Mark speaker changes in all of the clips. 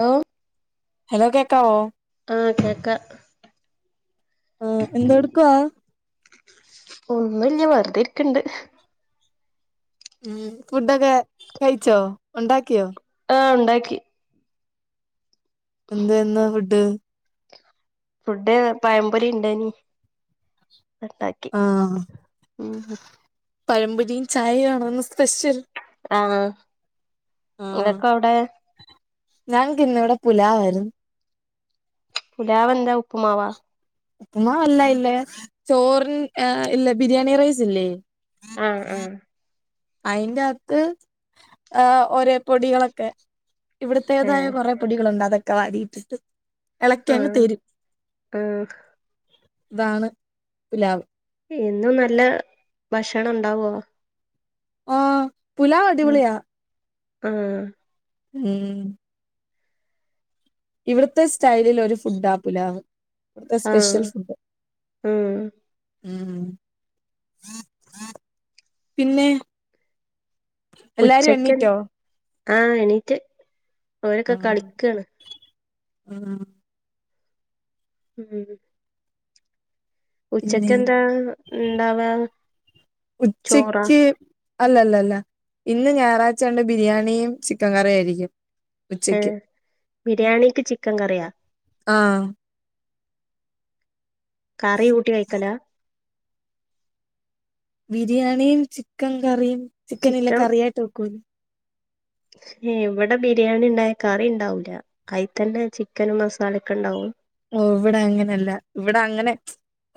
Speaker 1: ഓ
Speaker 2: hello കേക്കാവോ
Speaker 1: ആഹ് കേക്ക
Speaker 2: ആ എന്ത എടുക്കുവാ
Speaker 1: ഒന്നുല്ല വെറുതെഇരിക്കണ്ട്
Speaker 2: ഉം ഫുഡൊക്കെ കഴിച്ചോ ഉണ്ടാക്കിയോ
Speaker 1: ആ് ഉണ്ടാക്കി
Speaker 2: ഇന്ന് എന്താ ഫുഡ്
Speaker 1: ഫുഡ് പഴംപൊരി ഇണ്ട്
Speaker 2: ആഹ് പഴപൊരിയും ചായയും ആണോന്ന് സ്പെഷ്യൽ
Speaker 1: ആഹ്
Speaker 2: ആഹ്
Speaker 1: എനക്കെ അവിടെ
Speaker 2: ഞങ്ങക്ക് ന്ന് ഇവിടെ പുലാവായിരുന്നു
Speaker 1: പുലവ എന്താ ഉപ്പുമാവാ
Speaker 2: ഉപ്പ്മാവ് അല്ല ഇല്ലേ ചോറിന് ഇല്ല ബിരിയാണി റൈസ് ഇല്ലേ
Speaker 1: ആഹ് ആഹ്
Speaker 2: അയിന്റെകത്ത് ആ് ഒരേ പൊടികളൊക്കെ ഇവിടുത്തേതായ
Speaker 1: ഏഹ്
Speaker 2: കുറെ പൊടികളുണ്ട് അതൊക്കെ വാരിട്ടിട്ട് ഇളക്കിങ്ങ്
Speaker 1: ആഹ്
Speaker 2: തരും
Speaker 1: ആഹ്
Speaker 2: ഇതാണ് പുലാവ്
Speaker 1: എന്നും നല്ല ഭക്ഷണം ഉണ്ടാവുവോ
Speaker 2: ആഹ് പുലാവ്
Speaker 1: ആഹ്
Speaker 2: അടിപൊളിയാ
Speaker 1: ആഹ്
Speaker 2: ഉം ഇവിടത്തെ സ്റ്റൈലിൽ ഒരു ഫുഡ് ആപ്പുല അവിടുത്തെ
Speaker 1: ആഹ്
Speaker 2: സ്പെഷ്യൽ ഫുഡ്
Speaker 1: ഉം
Speaker 2: ഉം പിന്നെ എല്ലാരും
Speaker 1: ഉച്ചക്കന്നെ
Speaker 2: എണ്ണീറ്റോ
Speaker 1: ആഹ് എണീറ്റ് ഓരൊക്കെ
Speaker 2: ആഹ്
Speaker 1: കട്ക്കയാണ്
Speaker 2: ആഹ്
Speaker 1: ഉം
Speaker 2: പിന്നെ
Speaker 1: ഉച്ചക്ക്ന്താണ് ഉണ്ടവാ ചോറ
Speaker 2: അല്ലല്ല അല്ല ഇന്ന് ഞായറാഴ്ച്ചണ്ട് ബിരിയാണിയും ചിക്കൻ കറിയയിരിക്കും
Speaker 1: ഏഹ് ബിരിയാണിക്ക് ചിക്കൻ കറിയാ
Speaker 2: ആഹ്
Speaker 1: കറി കൂട്ടി കഴിക്കലാ
Speaker 2: ബിരിയാണിയും ചിക്കൻ കറിയും ചിക്കൻ ഇല്ല കറിയായിട്ട് വെക്കൂല്ല
Speaker 1: ഇവിടെ ബിരിയാണി ഉണ്ടായ കറി ഉണ്ടാവൂില്ല അതിൽത്തന്നെ ചിക്കനും മസാല ഒക്കെ ഉണ്ടാവും
Speaker 2: ഓഹ് ഇവിടെ അങ്ങനെയല്ല ഇവിടെ അങ്ങനെ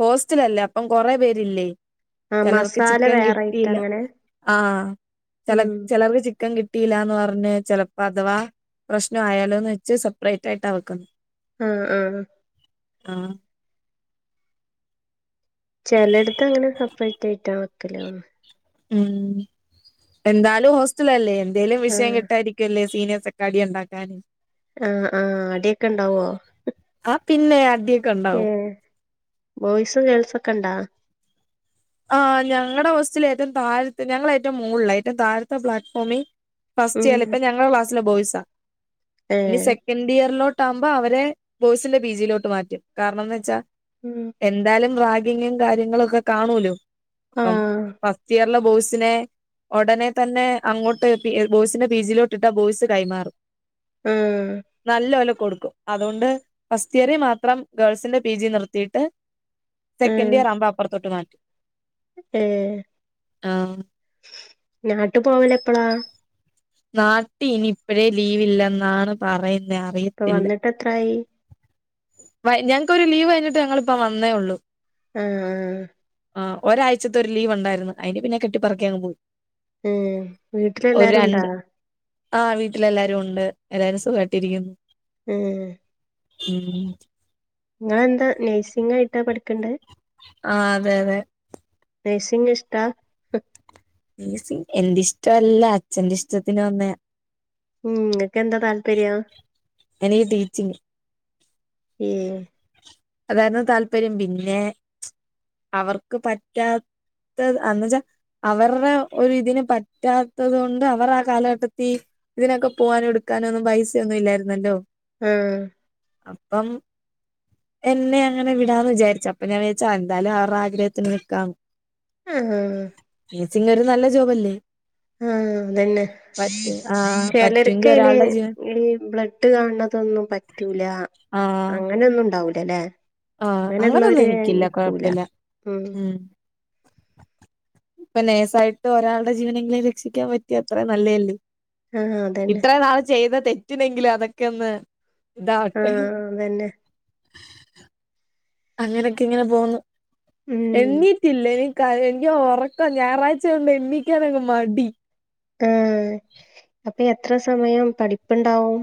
Speaker 2: ഹോസ്റ്റലല്ലേ അപ്പം കൊറെ പേരില്ലേ
Speaker 1: ആഹ്
Speaker 2: ചെലർക്ക്
Speaker 1: മസാല
Speaker 2: ചിക്കൻ
Speaker 1: വേറായിട്ട്
Speaker 2: കിട്ടിയില്ല
Speaker 1: അങ്ങനെ
Speaker 2: ആഹ് ച
Speaker 1: ഉം
Speaker 2: ചെലർക്ക് ചിക്കൻ കിട്ടി കിട്ടില്ലന്ന് പറഞ്ഞ് ചിലപ്പോ അഥവാ പ്രശ്നം ആയാലോന്ന് വെച്ച് സെപ്പറേറ്റ് ആായിട്ട് വക്കുന്നു
Speaker 1: ആഹ് ആഹ്
Speaker 2: ആഹ്
Speaker 1: ചെലടത്ത് അങ്ങനെ സെപ്പറേറ്റ് ആയിട്ട് ആ വെക്കല്
Speaker 2: ഉം എന്താലും ഹോസ്റ്റലല്ലേ എന്തേലും വിഷയം
Speaker 1: ആഹ്
Speaker 2: കിട്ടാരിക്കും ഒല്ലേ സീനിയേഴസ് ഒക്കെ അടി ഉണ്ടാക്കാൻ
Speaker 1: ആഹ് ആഹ് അടൊക്കെ ഉണ്ടാവോ
Speaker 2: ആ പിന്നെ അടി
Speaker 1: ഏ ബോയ്സും ഗേൾസൊക്കെണ്ടാ?
Speaker 2: ആഹ് ഞങ്ങളുടെ ഹോസ്റ്റിൽ ഏറ്റവും തഴ ഞങ്ങള് ഏറ്റവും മുകളില്ല ഏറ്റവും താരഴത്തെ പ്ലാറ്റ് ഫോമി ഫസ്റ്റ്
Speaker 1: ഉം
Speaker 2: ഇയർ ഇപ്പ ഞങ്ങളുടെ ക്ലാസ്സില് ബോയ്സാ ഇനി
Speaker 1: ഏഹ്
Speaker 2: സെക്കൻഡ് ഇയറിലോട്ട് ആകുമ്പോ അവരെ ബോയ്സിന്റെ പി ജിയിലോട്ട് മാറ്റും കാരണംന്ന് വെച്ചാ
Speaker 1: ഉം
Speaker 2: എന്തായാലും റാഗിങ്ങും കാര്യങ്ങളും ഒക്കെ കാണൂല്ലോ അപ്പം
Speaker 1: ആഹ്
Speaker 2: ഫസ്റ്റ് ഇയർ ള്ള ബോയ്സിനെ ഉടനെ തന്നെ അങ്ങോട്ട് ബോയ്സിന്റെ പി ജിയിലോട്ടിട്ടാ ബോയ്സ് കൈമാറും
Speaker 1: ഉം
Speaker 2: നല്ല പോലെ കൊടുക്കും അതുകൊണ്ട്, ഫസ്റ്റ് ഇയറിൽ മാത്രം ഗേൾസിന്റെ പി ജി നിർത്തിയിട്ട്. സെക്കൻഡ്
Speaker 1: ആഹ്
Speaker 2: ഇയർ ആവുമ്പോ അപ്പറത്തോട്ട് മാറ്റി
Speaker 1: ഏഹ്
Speaker 2: ആഹ്.
Speaker 1: നാട്ട് പോവലെപ്പളാ?
Speaker 2: നാട്ടി ഇനിയിപ്പഴേ ലീവില്ലെന്നാണ് പറയുന്നേ
Speaker 1: ഇപ്പൊ
Speaker 2: അറിയത്തില്ല.
Speaker 1: വന്നിട്ട് എത്രായി
Speaker 2: വ ഞങ്ങക്കൊരു ലീവ് കഴിഞ്ഞിട്ട് ഞങ്ങിപ്പ വന്നേ ഉള്ളൂ.
Speaker 1: ആ ആ ആ
Speaker 2: ആ ഒരാഴ്ച്ചത്തൊരു ലീവ്ണ്ടായിരുന്നു. അയ്ന് പിന്നെ കെട്ടിപ്പറക്കി അങ് പോന്നു.
Speaker 1: ഉം വീട്ടിലെല്ലരുംണ്ടാ?
Speaker 2: ആഹ് വീട്ടിലെല്ലാരും ഒണ്ട്. എല്ലാരും സുഖായിട്ടിരിക്കുന്നു
Speaker 1: മം
Speaker 2: ഉം
Speaker 1: ങ്ങളെന്താ നഴ്സിംഗ് ആയിട്ടാ പഠിക്ക്ണ്ടത്?
Speaker 2: ആ അതെ അതെ
Speaker 1: നഴ്സിംങ്ങിഷ്ടാ?
Speaker 2: ബി എസ് ഇ എന്റിഷ്ടല്ല അച്ഛന്റെ ഇഷ്ടത്തിന് വന്നയാ
Speaker 1: മം ങ്ങക്കെന്താ താല്പര്യം?
Speaker 2: എനിക്ക് ടീച്ചിങ്.
Speaker 1: ഏയ്
Speaker 2: അതായിരുന്നു താല്പര്യം പിന്നെ അവർക്ക് പറ്റാ അന്ന് ച അവറ്ടെ ഒരിതിന് പറ്റാത്തത് കൊണ്ട് അവർ ആ കാലഘട്ടത്തീ തിനൊക്കെ പോവാനും എടുക്കാനും ഒന്നും പൈസയൊന്നും ഇല്ലായിരുന്നല്ലോ?
Speaker 1: മം
Speaker 2: അപ്പം. എന്നെ അങ്ങനെ വിടാന്ന് വിചാരി. ച്ചു അപ്പൊ ഞാൻ വിചാരിച്ചു ന്തായാലും അവറെ ആഗ്രഹത്തിന് നിൽക്കാ.
Speaker 1: ആഹ്
Speaker 2: നഴ്സിംഗ് ഒരു നല്ല ജോബ് അല്ലേ?
Speaker 1: ആഹ് അതന്നെ.
Speaker 2: പറ്റ്.
Speaker 1: ചിലർക്കയ്ന് ഈ ബ്ലഡ് കാണണതൊന്നും പറ്റൂല. അങ്ങനെയൊന്നും ഉണ്ടാവൂലലേ
Speaker 2: ആഹ് അങ്ങനൊന്നും എനിക്കില്ല കൊഴപ്പില്ല
Speaker 1: ഉം
Speaker 2: മം. ഇപ്പൊ ലേസായിട്ട് ഒരാളുടെ ജീവനെങ്കിലും രക്ഷിക്കാൻ പറ്റിയാ അത്രേം നല്ലതല്ലേ
Speaker 1: ആഹ് അതന്നെ
Speaker 2: ഇത്ര നാള് ചെയ്ത തെറ്റിനെങ്കിലും അതൊക്കെ ഒന്ന് ഇതാവട്ടെ
Speaker 1: ആഹ് [unintelligible]
Speaker 2: അങ്ങനെയൊക്കെ ഇങ്ങനെ പോകുന്നു.
Speaker 1: മം.
Speaker 2: എണ്ണീട്ടില്ല എനി എനിക്ക് ഉറക്കം ഞായറാഴ്ച ആയോണ്ട് എണീക്കാൻ അങ്ങ് മടി
Speaker 1: ആഹ് അപ്പൊ എത്ര സമയം പഠിപ്പുണ്ടാവും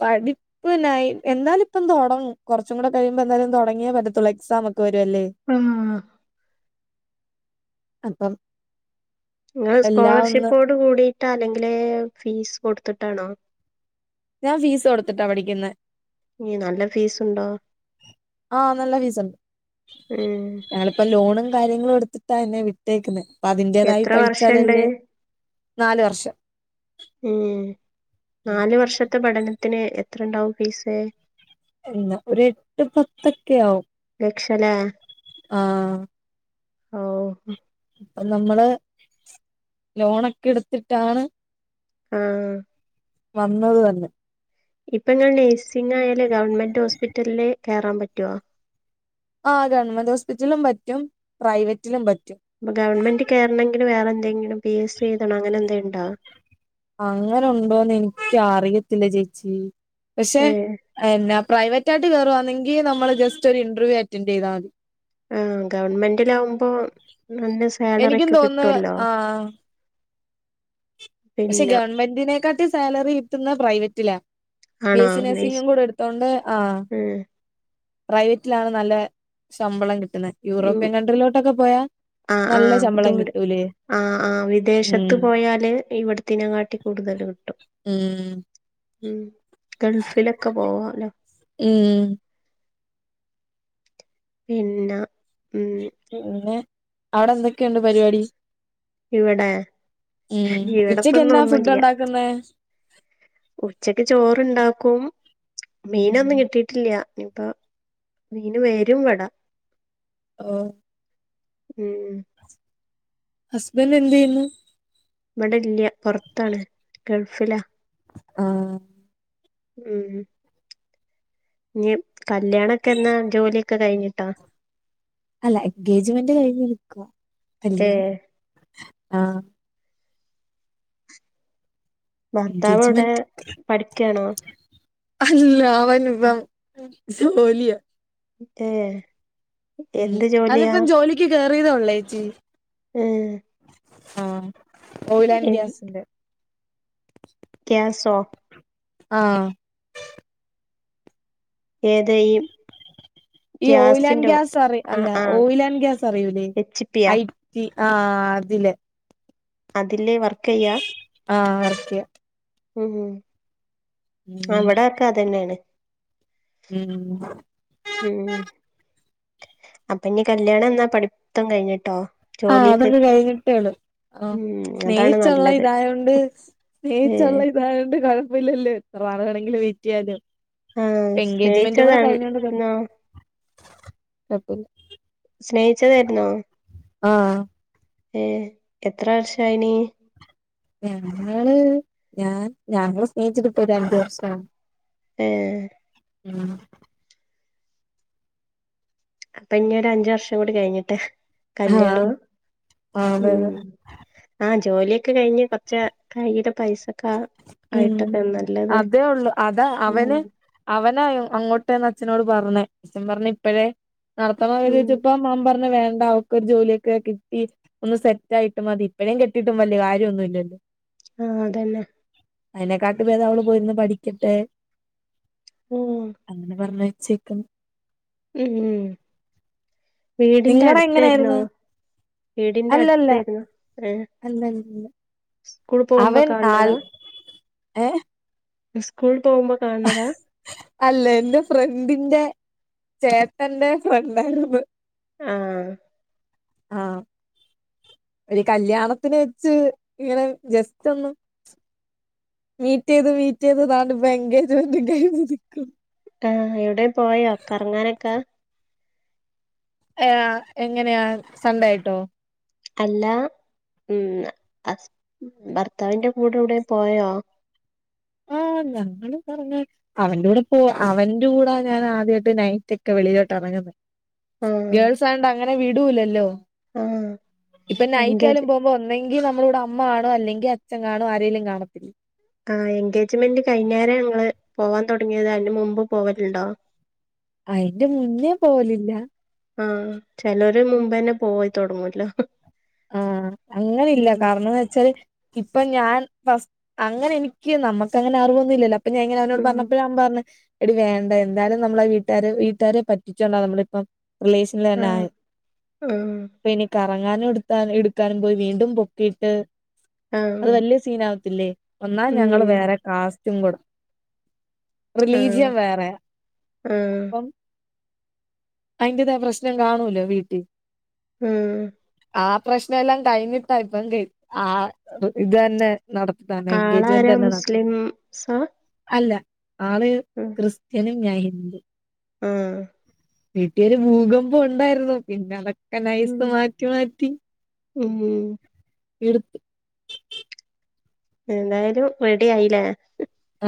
Speaker 2: പഠി പിന്നെ എന്തായാലും ഇപ്പം തുടങ്ങും കുറച്ചും കൂടെ കഴിയുമ്പോ എന്തായാലും തുടങ്ങിയാ പറ്റത്തുള്ള എക്സാമൊക്കെ വരുവല്ലേ?
Speaker 1: എഹ്.
Speaker 2: അപ്പം.
Speaker 1: നിങ്ങള്
Speaker 2: എല്ലാം ഒന്ന്
Speaker 1: സ്കോളർഷിപ്പോട് കൂടിട്ടാ അല്ലെങ്കില് ഫീസ് കൊടുത്തിട്ടാണോ?
Speaker 2: ഞാൻ ഫീസ് കൊടുത്തിട്ടാ പഠിക്കുന്നെ
Speaker 1: ഏ നല്ല ഫീസ് ഉണ്ടോ?
Speaker 2: ആഹ് നല്ല ഫീസുണ്ട്.
Speaker 1: ഉം
Speaker 2: ഞങ്ങളിപ്പോ ലോണും കാര്യങ്ങളും എടുത്തിട്ടാ എന്നെ വി ട്ടേക്കുന്നേ അപ്പ അതിന്റേതായി
Speaker 1: എത്ര വർഷണ്ട്
Speaker 2: പഠിച്ചാലല്ലേ നാല് വർഷം
Speaker 1: ഉം
Speaker 2: ഉം
Speaker 1: നാല് വർഷത്തെ പഠനത്തിന് എത്രണ്ടാവും ഫീസ്
Speaker 2: എന്ന ഒരു എട്ട് പത്തക്കെ ആവും
Speaker 1: ലക്ഷലേ
Speaker 2: ആഹ്
Speaker 1: ഓ
Speaker 2: നമ്മള് ലോണൊക്കെ എടുത്തിട്ടാണ്
Speaker 1: ആഹ്
Speaker 2: വന്നത് തന്നെ.
Speaker 1: ഇപ്പൊ ഞാൻ നേഴ്സിംഗ് ആയാല് ഗവൺമെന്റ് ഹോസ്പിറ്റലില് കേറാൻപറ്റുവോ
Speaker 2: ആഹ് ഗവൺമെന്റ് ഹോസ്പിറ്റലിലും പറ്റും പ്രൈവറ്റിലും പറ്റും
Speaker 1: ഇപ്പൊ ഗവൺമെന്റ് കേറണങ്കിൽ വേറെ എന്തെങ്കിലും പി എസ് ഇ എഴുതണം അങ്ങനെ എന്തേലുംണ്ട
Speaker 2: അങ്ങനെ ഉണ്ടോന്ന് എനിക്ക അറിയത്തില്ല ചേച്ചി, പക്ഷെ
Speaker 1: ഏഹ്
Speaker 2: എന്ന പ്രൈവറ്റ് ആയിട്ട് കേറുവാന്നെങ്കി നമ്മള് ജസ്റ്റ് ഒരു ഇന്റർവ്യൂ അറ്റന്റയ്താ മതി
Speaker 1: ഉം ഗവൺമെന്റിലാവുമ്പോ നല്ല
Speaker 2: എനിക്കും
Speaker 1: സാലറിക്കെ
Speaker 2: തോന്നുന്നു
Speaker 1: കിട്ടോലോ
Speaker 2: ആ പക്ഷെ ഗവൺമെന്റിനെക്കാട്ടി സാലറി കിട്ടുന്ന പ്രൈവറ്റിലാ ബി
Speaker 1: ആണോ
Speaker 2: എസ് സി
Speaker 1: നൈസ്
Speaker 2: നഴ്സിംഗ്കൂടെ എടുത്തോണ്ട് അഹ്‌
Speaker 1: ഉം
Speaker 2: പ്രൈവറ്റിലാണ് നല്ല ശമ്പളം കിട്ടുന്നെ
Speaker 1: ഉം
Speaker 2: യൂറോപ്യൻ കൺട്രിയിലോട്ടൊക്കെ പോയാ നല്ല ശമ്പളം കിട്ടൂലേ
Speaker 1: ആ ആ
Speaker 2: ഉം
Speaker 1: വിദേശത്ത് പോയാല് ഇവിടത്തിനെ കാട്ടി കൂടുതല് കിട്ടും
Speaker 2: ഉം
Speaker 1: ഉം ഗൾഫിലൊക്കെ പോവാല്ലോ
Speaker 2: ഉം
Speaker 1: പിന്നാ
Speaker 2: പിന്നെ അവിടെ എന്തൊക്കെണ്ട് പരിപാടി
Speaker 1: ഇവിടെ
Speaker 2: ഉം ഉച്ചക്ക്
Speaker 1: ഇവിടെപ്പൊന്നും
Speaker 2: എന്താ ഫുഡ്
Speaker 1: ഒന്നുല്ല
Speaker 2: ഉണ്ടാക്കുന്നെ
Speaker 1: ഉച്ചക്ക് ചോറുണ്ടാക്കും
Speaker 2: ഉം
Speaker 1: മീനൊന്നുംകിട്ടി ട്ടില്ല ഇനിപ്പ മീന് വേരും ഇവടെ
Speaker 2: ഓ
Speaker 1: ഉം
Speaker 2: ഹസ്ബൻഡ് എന്തെയ്യുന്നു?
Speaker 1: ഇവിടെല്ല്യ പൊറത്താണ് ഗൾഫില
Speaker 2: ആഹ്
Speaker 1: ഉം ഇഞ്ഞി കല്ലിയാണൊക്ക എന്നാ ജോലിയൊക്കെ കഴിഞ്ഞിട്ടോ?
Speaker 2: അല്ല എൻഗേജ്മെന്റ് കഴിഞ്ഞ്നിക്കുവാ
Speaker 1: ഏ
Speaker 2: കല്യാണം ആ
Speaker 1: ഭർത്താവ് എവിടെ
Speaker 2: എൻഗേജ്മെന്റ്
Speaker 1: പഠിക്കാണോ
Speaker 2: [inaudible] അല്ല അവന്ഇപ്പം ജോലിയ
Speaker 1: ഏഹ്
Speaker 2: ഉം അതിപ്പം ജോലിക്ക് കേറിയതേ ഒള്ള് ഏച്ചി
Speaker 1: ഉം
Speaker 2: ആഹ
Speaker 1: എൻ
Speaker 2: ലൻകസെ
Speaker 1: കസോ
Speaker 2: ആഹ്
Speaker 1: ഏത് ഈ
Speaker 2: ഈ ഓയിൽ ആൻഡ്
Speaker 1: ഗ്യാസിന്റോ
Speaker 2: ഗ്യാസ് അറി
Speaker 1: ആ
Speaker 2: അല്ല
Speaker 1: ആ
Speaker 2: ഓയിൽ ആൻഡ് ഗ്യാസ് അറിയൂല്ലേ
Speaker 1: എച്ച് പിയാ
Speaker 2: ഐ ഈ ആഹ് അതില്
Speaker 1: അതില്ലേ വർക്കയ്യാ
Speaker 2: ആഹ് [unintelligible]
Speaker 1: ഉം
Speaker 2: ഉം
Speaker 1: അവിടക്കെ അതന്നെണ്
Speaker 2: ഉം
Speaker 1: ഉം അപ്പൊ ഇനി കല്യാണം എന്നാ പഠിത്തം കഴിഞ്ഞിട്ടോ
Speaker 2: ആഹ
Speaker 1: ജോലിയൊക്കെ
Speaker 2: അതൊക്കെ കഴിഞ്ഞിട്ടെള്ളൂ ആഹ
Speaker 1: ഉം അതാണ്
Speaker 2: സ്നേഹിച്ചുള്ള
Speaker 1: നല്ലത്
Speaker 2: ഇതായോണ്ട്
Speaker 1: ഏ
Speaker 2: സ്നേഹിച്ചുള്ള ഇതാ യോണ്ട്കുഴപ്പമില്ലല്ലോ എത്ര നാള് വേണമെങ്കില് വെയിറ്റ് ചെയ്യാലോ
Speaker 1: ആഹ്
Speaker 2: എൻഗേജ്മെന്റും കൂടെ കഴിഞ്ഞ പിന്നെ
Speaker 1: സ്നേഹിച്ചതാണോ
Speaker 2: കുഴപ്പമില്ല
Speaker 1: സ്നേഹിച്ചതായിരുന്നോ
Speaker 2: ആഹ്
Speaker 1: ഏ എത്ര വർഷാനി
Speaker 2: ഞങ്ങള് ഞാൻ ഞങ്ങള് സ്നേഹിച്ച്‌ കെട്ടിയതാ അഞ്ചു വർഷം
Speaker 1: ഏ
Speaker 2: യ
Speaker 1: അപ്പൊ ഇനി ഒരു അഞ്ച വർഷം കൂടി കഴിഞ്ഞിട്ട്
Speaker 2: ആഹ്
Speaker 1: കല്യാണം
Speaker 2: അതെ
Speaker 1: ഉം
Speaker 2: അതെ
Speaker 1: ആഹ് ജോലിയൊക്കെ കഴിഞ്ഞ് കൊറച്ച കൈയ്യില് പൈസൊക്കെ
Speaker 2: ഉം
Speaker 1: ആയിട്ടൊക്കെ നല്ലത്
Speaker 2: അതേ ഉള്ളു അതാ
Speaker 1: ഉം
Speaker 2: അവന് അവന അങ്ങോട്ട്ന്ന് അച്ഛനോട് പറഞ്ഞേ അച്ഛൻ പറഞ്ഞ് ഇപ്പഴേ നടത്തണമോന്ന്
Speaker 1: ഉം
Speaker 2: മോതിച്ചപ്പം അവൻ പറഞ്ഞു വേണ്ട ഒരു ജോലിയൊക്കെ കിട്ടി ഒന്ന് സെറ്റ് ആയിട്ടും മതി ഇപ്പഴേകെട്ടിയിട്ട് വല്ല കാര്യം ഒന്നുമിലല്ലോ
Speaker 1: ആഹ് അതന്നെ
Speaker 2: അതിനെക്കാട്ടി പോതം അവള് പോയി പഠിക്കട്ടെ
Speaker 1: ഉം
Speaker 2: അങ്ങനെ പറഞ്ഞ വച്ചേക്കുന്നു
Speaker 1: ഉം വീടിന്റെ
Speaker 2: നിങ്ങടെ
Speaker 1: അടുത്തായിരുന്നോ
Speaker 2: എങ്ങനെയായിരുന്നു
Speaker 1: വീടിന്റെ
Speaker 2: അല്ലല്ല
Speaker 1: അടുത്തത്തായിരുന്നോ ഏ
Speaker 2: അല്ലല്ല
Speaker 1: സ്കൂൾ പോകുമ്പോ
Speaker 2: അവൻ ആൽ
Speaker 1: കാണണതാ
Speaker 2: ഏഹ്
Speaker 1: സ്കൂൾ പോകുമ്പോ കാണുന്നതാ
Speaker 2: അല്ല എന്റെ ഫ്രണ്ടിന്റെ ചേട്ടന്റെ ഫ്രണ്ടായിരുന്നു
Speaker 1: ആഹ
Speaker 2: ആഹ് ഒരു കല്യാണത്തിന് ച്ച് ഇങ്ങനെ ജസ്റ്റ് ഒന്ന് മീറ്റ് ചെയ്ത് മീറ്റ് ചെയ്ത്താണ്ട് ഇപ്പ എൻഗേജ്മെന്റും കഴിഞ്ഞിരിക്കുന്നു
Speaker 1: ആഹ് എവിടെയും പോയോ കറങ്ങാനൊക്കെ
Speaker 2: ഏ എങ്ങനെയാ സൺണ്ടേ ആയിട്ടോ
Speaker 1: അല്ല ഉം ഭർത്താവിന്റെ കൂടെ എവിടെ പോയോ
Speaker 2: ആ ഞങ്ങള് പറഞ്ഞെ അവന്റെ കൂടെ പോ അവന്റെ കൂടൊ ഞാൻ ആദ്യമായിട്ട് നൈറ്റ് ഒക്കെ വെളിയിലോട്ട് ഇറങ്ങുന്നത്
Speaker 1: ആഹ്
Speaker 2: ഗേൾസ് ആകണ്ട് അങ്ങനെ വിടൂലല്ലോ
Speaker 1: ആഹ്
Speaker 2: ഇപ്പൊ നൈറ്റ് ആയാലും
Speaker 1: എൻഗേജ്
Speaker 2: പോ ഒന്നെങ്കി നമ്മള ഇവിടെ അമ്മകാണുംഅല്ലെങ്കിഅച്ഛൻ കാണും ആരേങ്കിലും കാണത്തില്ല
Speaker 1: ആ എൻഗേജ്മെന്റ് കൈഞ്ഞേരം ഞങ്ങള് പോവാൻ തുടങ്ങിയത് അതിന് മുമ്പ് പോവലുണ്ടോ
Speaker 2: അയിന്റെ മുന്നേ പോവലില്ല
Speaker 1: ആഹ് ചെലര് മുമ്പ് തന്നെ പോയിത്തുടങ്ങൂല്ലോ
Speaker 2: ആഹ് അങ്ങനെഇല്ല കാരണംന്ന് വെച്ചാല് ഇപ്പൊ ഞാൻ ഫസ് അങ്ങനെ എനിക്ക് നമ്മക്ക് അങ്ങനെ അറിവ്ന്നുംല്ലല്ലേ പിന്നെ എങ്ങനെ അവനോട്
Speaker 1: ഉം
Speaker 2: പറഞ്ഞപ്പോഴ അവൻ പറഞ്ഞു എടി വേണ്ട എന്തായാലും നമ്മളെ വീട്ടുകാരെ വീട്ടുകാരെ പറ്റിച്ചോണ്ടാ നമ്മളിപ്പം റിലേഷ
Speaker 1: ആഹ്
Speaker 2: [unintelligible]
Speaker 1: ആഹ്
Speaker 2: അപ്പോ ഇനി കറങ്ങാന് എടുക്കാനും പോയി വീണ്ടും പൊക്കിയിട്ട് അത്
Speaker 1: ആഹ്
Speaker 2: വല്യയ സീനാ വത്തില്ലേ ഒന്നാ ഞങ്ങള്
Speaker 1: ഉം
Speaker 2: വേറെ കാസ്റ്റും കൂടെ
Speaker 1: ആഹ്
Speaker 2: റിലീജിയം വേറെ
Speaker 1: ആഹ്
Speaker 2: അപ്പം അതിന്റേതാ പ്രശ്നം കാണൂല്ലോ വീട്ടിൽ
Speaker 1: ഉം
Speaker 2: ആ പ്രശ്നം എല്ലാം കഴിഞ്ഞിട്ടാ ഇപ്പം ആ ഇത് തന്നെ നടത്താൻ എൻഗേജ്മെന്റ്
Speaker 1: ആളാരാ
Speaker 2: തന്നെ നടത്താൻ
Speaker 1: മുസ്ലിംസാ
Speaker 2: അല്ല ആള് ക്രിസ്ത്യനും ഞാൻ ഹിന്ദു
Speaker 1: ആഹ്
Speaker 2: വീട്ടിയൊരു ഭൂകമ്പം ഉണ്ടായിരുന്നു പിന്നെ അതൊക്കെ
Speaker 1: ഉം
Speaker 2: നൈസ് മാറ്റി മാറ്റി
Speaker 1: ഉം
Speaker 2: എടുത്ത്
Speaker 1: എന്തായാലും റെഡി ആയില്ലേ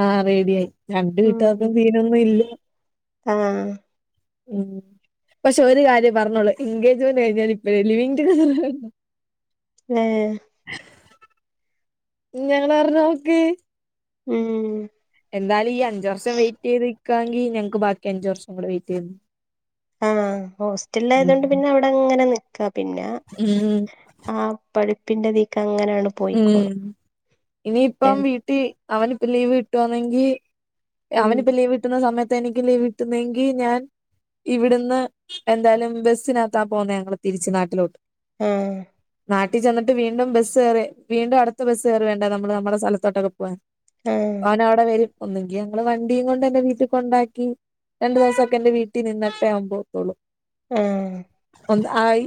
Speaker 2: ആഹ് റെഡിയായി രണ്ട്
Speaker 1: ഉം
Speaker 2: വീട്ടുകാർക്കും സീനൊന്നും ഇല്ല
Speaker 1: ആഹ്
Speaker 2: ഉം പക്ഷെ ഒരു കാര്യം പറഞ്ഞോളു എൻഗേജ്മെന്റ് കഴിഞ്ഞാൽ അവനിപ്പഴെ ലിവിങ് ടുഗദർ
Speaker 1: ഏ
Speaker 2: [unintelligible] നോക്ക്
Speaker 1: ഉം
Speaker 2: എന്താലും ഈ അഞ്ച് വർഷം വെയിറ്റ് ചെയ്ത്ക്കാങ്കി ഞങ്ങക്ക് ബാക്കി അഞ്ച് വർഷം കൂടെ വെയയിറ്റ് ചെയ്ത്
Speaker 1: ആഹ് ഹോസ്റ്റൽല് ആയതുകൊണ്ട് പിന്നെ അവിടെ അങ്ങനെ നിക്കാ പിന്നെ
Speaker 2: ഉം.
Speaker 1: ആഹ് പഠിപ്പിന്റെതീക്ക് അങ്ങനെയാണ് പോയിക്കോളും
Speaker 2: ഉം
Speaker 1: ഏ
Speaker 2: ഇനിയിപ്പം വീട്ടിൽ അവനിപ്പ ലീവ് കിട്ടുവാണെങ്കി
Speaker 1: ഉം
Speaker 2: അവനിപ്പ ലീവ് കിട്ടുന്ന സമയത്ത് എനിക്ക് ലീവ് കിട്ടുന്നെങ്കി ഞാൻ ഇവിടുന്ന് എന്തായാലും ബസിനകത്താ പോകുന്നെ ഞങ്ങള് തിരിച്ച് നാട്ടിലോട്ട്
Speaker 1: ആഹ്
Speaker 2: നാട്ടിൽ ചെന്നിട്ട് വീണ്ടും ബസ് കയറി വീണ്ടും അടുത്ത ബസ് കയറി വേണ്ട നമ്മള് നമ്മുടെ സ്ഥലത്തോട്ടൊക്കെ പോവാൻ
Speaker 1: ആഹ്
Speaker 2: അവൻ അവിടെ വരും ഒന്നെങ്കി ഞങ്ങള് വണ്ടിയും കൊണ്ടൻ്റെ വീട്ടിൽ കൊണ്ടാക്കി രണ്ടു ദിവസമൊക്കെ എന്റെ വീട്ടിൽ നിന്നിട്ടെ അവൻ പോകത്തൊള്ളൂ
Speaker 1: ആഹ്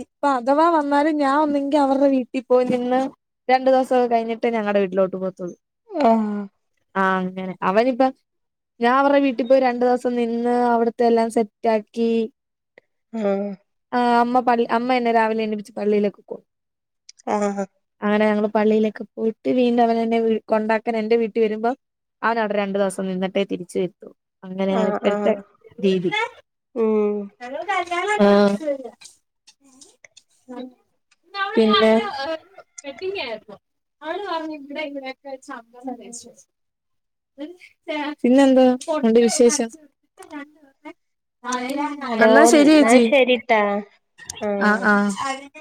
Speaker 2: ഇപ്പൊ അഥവാ വന്നാലും ഞാൻ ഒന്നെങ്കി അവരുടെ വീട്ടിൽ പോയി നിന്ന് രണ്ട് ദിവസോക്കെ കഴിഞ്ഞിട്ടേ ഞങ്ങടെ വീട്ടിലോട്ട് പോകത്തുള്ളൂ
Speaker 1: ആഹ്
Speaker 2: ആഹഉ അങ്ങനെ അവനിപ്പ ഞാൻ അവരുടെ വീട്ടിൽ പോയി രണ്ടു ദിവസം നിന്ന് അവിടുത്തെ എല്ലാം സെറ്റ് ആക്കി
Speaker 1: ആഹ്
Speaker 2: ആഹ് അമ്മ, അമ്മ എന്നെ രാവിലെ എണീപ്പിച്ച് പള്ളിയിലേക്ക് പോവും
Speaker 1: ആഹ്
Speaker 2: അങ്ങനെ ഞങ്ങള് പള്ളിയിലൊക്കെ പോയിട്ട് വീണ്ടും അവനെന്നെ കൊണ്ടാക്കാൻ എൻന്റെ വീട്ടിൽ വരുമ്പോം അവനവിടെ രണ്ടു ദിവസം നിന്നിട്ടേ തിരിച്ചു എത്തു അങ്ങനെയാണ്
Speaker 1: ആഹ് ആഹ്
Speaker 2: ഇപ്പോഴത്തെ രീതി
Speaker 1: ഉം
Speaker 2: ആഹ് പിന്നെ വെഡിങ്ങായിരുന്നു അവള് പറഞ്ഞ് ഇവിടെ ഇങ്ങടൊക്കെ [unintelligible] പിന്നെന്താ ഉണ്ട് വിശേഷം
Speaker 1: ഹലോ
Speaker 2: എന്ന ശരി
Speaker 1: എന്നാ
Speaker 2: ചേച്ചി.
Speaker 1: ശരിട്ടാ ആഹ്
Speaker 2: ആഹ ആഹ